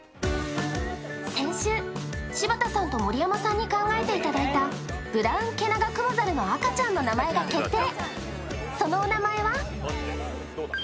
先週、柴田さんと盛山さんに考えていただいた、ブラウンケナガクモザルの赤ちゃんの名前が決定！